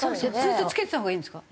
ずっとつけてたほうがいいんですか？